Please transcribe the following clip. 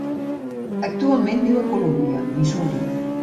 Actualment viu a Columbia, Missouri.